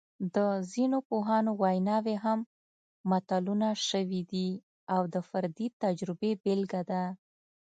د ځینو پوهانو ویناوې هم متلونه شوي دي او د فردي تجربې بېلګه ده